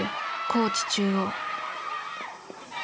高知中央。